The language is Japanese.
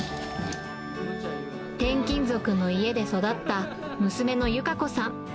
転勤族の家で育った娘の友香子さん。